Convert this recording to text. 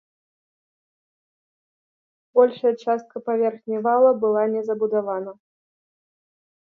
Большая частка паверхні вала была не забудавана.